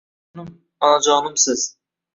Onajonim onajonimsiz